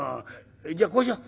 じゃあこうしよう。